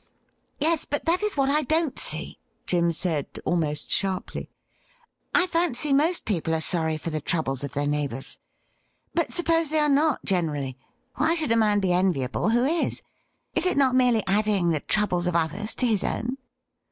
'Yes, but that is what I don't see,' Jim said, almost sharply. ' I fancy most people are sorry for the troubles of their neighbours. But suppose they are not generally, 156 THE RIDDLE RING why should a man be enviable who is ? Is it not merely adding the troubles of others to his own